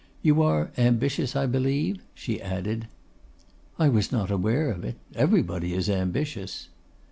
You are ambitious, I believe?' she added. 'I was not aware of it; everybody is ambitious.